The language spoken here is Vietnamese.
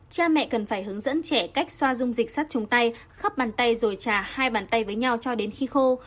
cha mẹ cần phải hướng dẫn trẻ cách xoa dung dịch sát chung tay khắp bàn tay rồi trà hai bàn tay với nhau cho đến khi khô